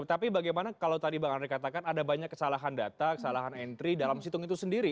tapi bagaimana kalau tadi bang andre katakan ada banyak kesalahan data kesalahan entry dalam situng itu sendiri